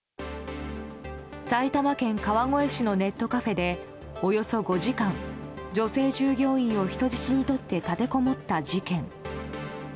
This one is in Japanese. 埼玉県川越市のネットカフェでおよそ５時間女性従業員を人質にとって立てこもった事件。